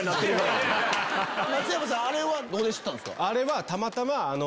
あれはたまたま。